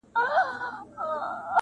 اوسېدله دوه ماران يوه ځنگله كي!